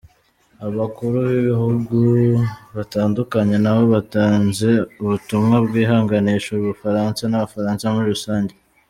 Abakuru b’ibihugu batandukanye nabo batanze ubutumwa bwihanganisha u Bufaransa n’Abafaransa muri rusange.